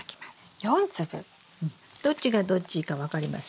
どっちがどっちか分かります？